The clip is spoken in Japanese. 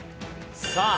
さあ